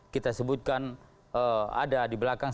kita sebutkan ada di belakang